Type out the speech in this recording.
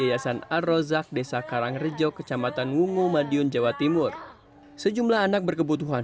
yayasan ar rozak desa karangrejo kecamatan wungu madiun jawa timur sejumlah anak berkebutuhan